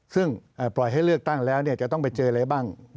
ซึ่งรอบ